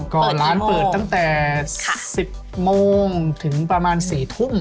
ก็ร้านเปิดตั้งแต่๑๐โมงถึงประมาณ๔ทุ่ม